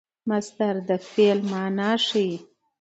مصدر د فعل مانا ښيي.